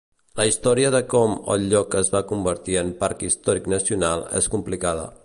La història de com el lloc es va convertir en parc històric nacional és complicada.